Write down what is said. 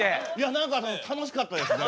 何かね楽しかったですね。